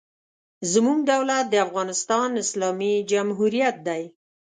زموږ دولت د افغانستان اسلامي جمهوریت دی.